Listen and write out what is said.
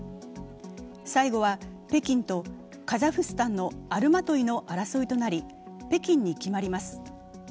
最後は北京とカザフスタンのアルマトイの争いとなり北京に決まります。